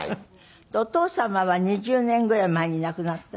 お父様は２０年ぐらい前に亡くなった？